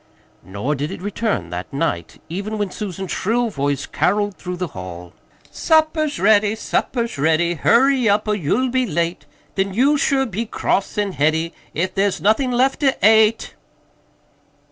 Nor did it return that night, even when Susan's shrill voice caroled through the hall: "Supper's ready, supper's ready, Hurry up, or you'll be late, Then you'll sure be cross and heady If there's nothin' left to ate."